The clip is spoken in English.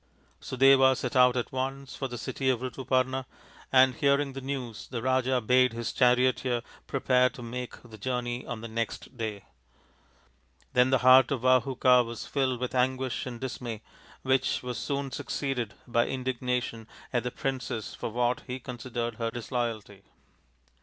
Sudeva set out at once for the city of Rituparna, and, hearing the news, the Raja bade his charioteer 140 THE INDIAN STORY BOOK prepare to make the journey on the next day. Then the heart of Vahuka was filled with anguish and dismay, which was soon succeeded by indignation at the princess for what he considered her disloyalty.